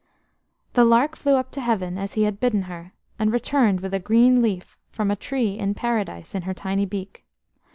The lark flew up to Heaven as he had bidden her, and returned with a green leaf from a tree in Paradise in her tiny beak.